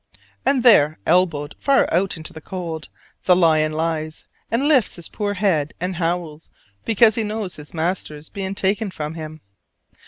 And there, elbowed far out into the cold, the lion lies and lifts his poor head and howls because he knows his master is being taken from him.